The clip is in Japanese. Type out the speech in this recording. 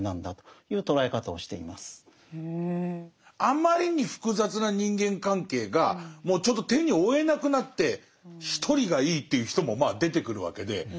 あまりに複雑な人間関係がもうちょっと手に負えなくなって一人がいいっていう人もまあ出てくるわけで。